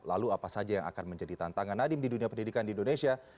lalu apa saja yang akan menjadi tantangan nadiem di dunia pendidikan di indonesia